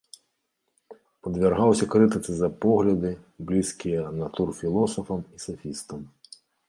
Падвяргаўся крытыцы за погляды, блізкія натурфілосафам і сафістам.